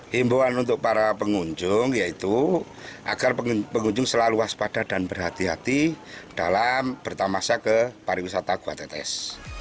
himbawan untuk para pengunjung yaitu agar pengunjung selalu waspada dan berhati hati dalam bertamasa ke pariwisata gua tetes